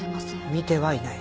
見てはいない？